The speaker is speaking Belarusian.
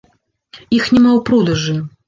Іх няма ў продажы.